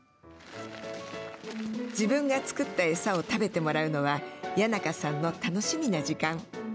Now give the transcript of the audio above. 自分が作った餌を食べてもらうのは谷仲さんの楽しみな時間。